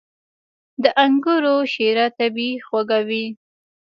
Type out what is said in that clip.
• د انګورو شیره طبیعي خوږه وي.